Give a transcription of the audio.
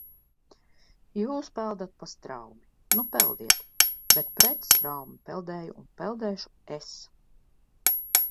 Jūs peldat pa straumi, nu peldiet, bet pret straumi peldēju un peldēšu es.